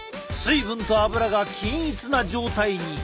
水分と油が均一な状態に。